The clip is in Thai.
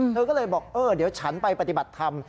เธอก็เลยบอกเออเดี๋ยวฉันไปปฏิบัติธรรม